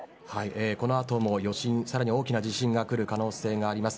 この後も余震さらに大きな地震がくる可能性があります。